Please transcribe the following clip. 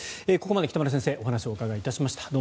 ここまで北村先生にお話をお伺いしました。